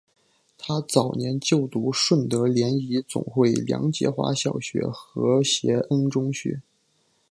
她早年就读顺德联谊总会梁洁华小学和协恩中学。